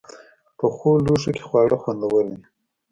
پخو لوښو کې خواړه خوندور وي